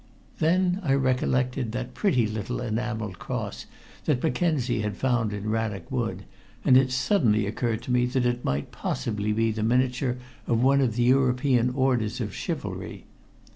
Then I recollected that pretty little enameled cross that Mackenzie had found in Rannoch Wood, and it suddenly occurred to me that it might possibly be the miniature of one of the European orders of chivalry.